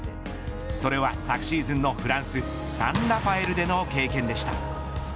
それは、昨シーズンのフランスサン・ラファエルでの経験でした。